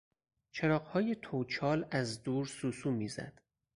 چراغهای توچال از دور سوسو میزد.